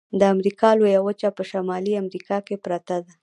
د امریکا لویه وچه په شمالي امریکا کې پرته ده.